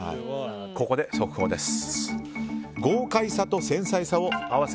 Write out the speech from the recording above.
ここで速報です。